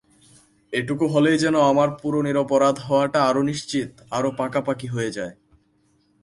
এটুকু হলেই যেন আমার পুরো নিরপরাধ হওয়াটা আরো নিশ্চিত, আরো পাকাপাকি হয়ে যায়।